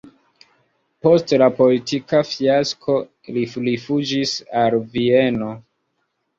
Post la politika fiasko li rifuĝis al Vieno.